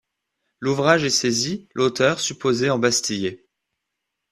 L'ouvrage est saisi, l'auteur supposé embastillé.